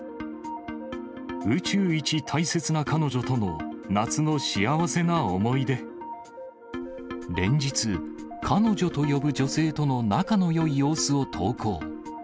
宇宙一大切な彼女との夏の幸連日、彼女と呼ぶ女性との仲のよい様子を投稿。